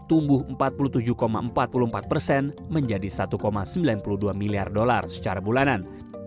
tumbuh empat puluh tujuh empat puluh empat persen menjadi satu sembilan puluh dua miliar dolar secara bulanan